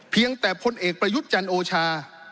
เพียงแต่คนเอกประยุทธ์แจนโอชา